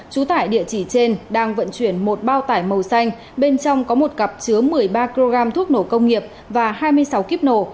trú tại địa chỉ trên đang vận chuyển một bao tải màu xanh bên trong có một cặp chứa một mươi ba kg thuốc nổ công nghiệp và hai mươi sáu kíp nổ